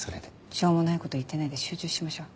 しょうもないこと言ってないで集中しましょう。